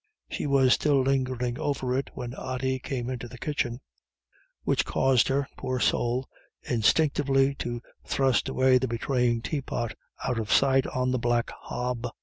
She was still lingering over it when Ody came into the kitchen, which caused her, poor soul, instinctively to thrust away the betraying teapot out of sight on the black hob.